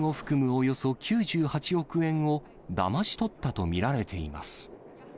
およそ９８億円をだまし取ったと見られています。